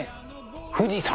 富士山。